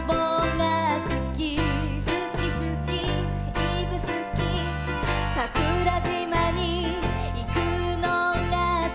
「すきすきいぶすき」「さくらじまにいくのがすき」